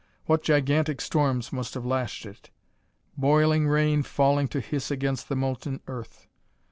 What gigantic storms must have lashed it! Boiling rain falling to hiss against the molten Earth!